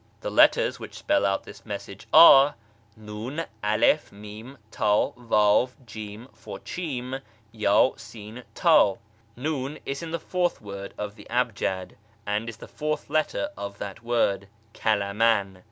: the letters which spell out this message are — 717^/^, alif, mim, td, vdvj'ini (for cMm), yd, sin, td. Nun is in the fourth word of the ahjad, and is the fourth letter in that word {kalaman).